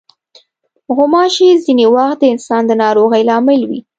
غوماشې ځینې وخت د انسان د ناروغۍ لامل وي.